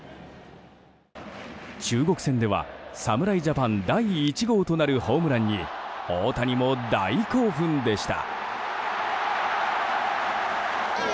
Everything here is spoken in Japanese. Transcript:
中国戦では侍ジャパン第１号となるホームランに大谷も大興奮でした。